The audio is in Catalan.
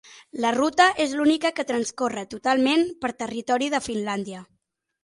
La ruta és l'única que transcorre totalment per territori de Finlàndia.